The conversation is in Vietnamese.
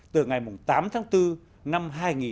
từ ngày tám tháng bốn năm hai nghìn một mươi sáu